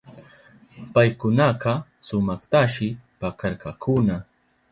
Paykunaka sumaktashi pakarkakuna.